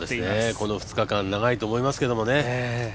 この２日間長いと思いますけどね。